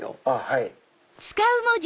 はい。